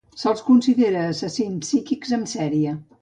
Se'ls considera assassins psíquics en sèrie.